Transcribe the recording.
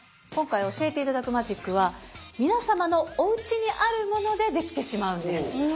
今回教えて頂くマジックは皆様のおうちにあるものでできてしまうんです。